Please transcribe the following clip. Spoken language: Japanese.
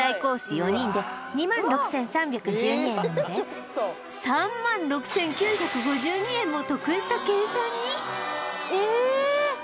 ４人で２６３１２円なので３６９５２円も得した計算にえっ！